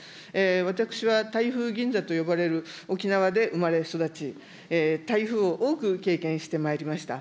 私は、台風銀座と呼ばれる沖縄で生まれ育ち、台風を多く経験してまいりました。